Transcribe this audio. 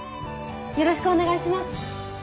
よろしくお願いします。